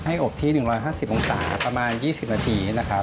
อบที่๑๕๐องศาประมาณ๒๐นาทีนะครับ